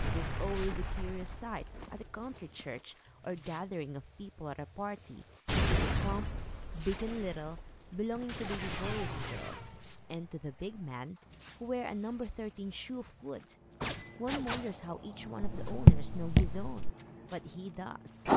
It is always a curious sight, at a country church, or gathering of people at a party, to see the klomps, big and little, belonging to baby boys and girls, and to the big men, who wear a number thirteen shoe of wood. One wonders how each one of the owners knows his own, but he does.